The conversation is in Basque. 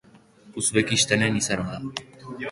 Uzbekistanen izana da.